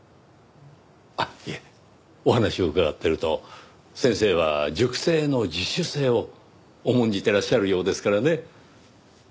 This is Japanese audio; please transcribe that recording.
あっいえお話を伺っていると先生は塾生の自主性を重んじていらっしゃるようですからね。